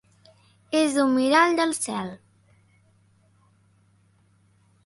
És un mirall del cel.